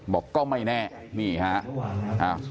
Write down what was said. บอกก็ไม่แน่นี่ครับ